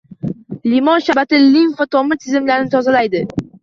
Limon sharbati limfa tomir tizimlarini tozalaydi.